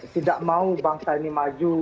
tidak mau bangsa ini maju